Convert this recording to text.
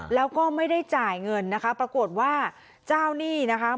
แล้วก็ไม่ได้จ่ายเงินนะคะปรากฏว่าเจ้าหนี้นะคะ